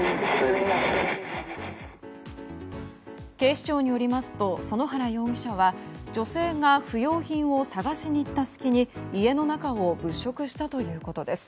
警視庁によりますと園原容疑者は女性が不用品を探しに行った隙に家の中を物色したということです。